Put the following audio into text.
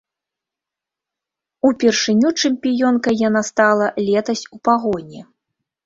Упершыню чэмпіёнкай яна стала летась у пагоні.